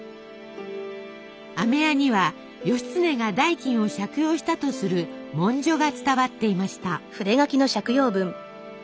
あめ屋には義経が代金を借用したとする文書が伝わっていました。